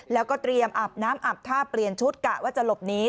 แล้วก็เตรียมอาบน้ำอาบท่าเปลี่ยนชุดกะว่าจะหลบหนี